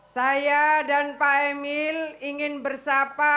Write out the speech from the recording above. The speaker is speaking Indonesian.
saya dan pak emil ingin bersapa